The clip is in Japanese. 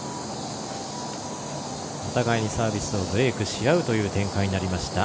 お互いにサービスをブレークしあう展開になりました。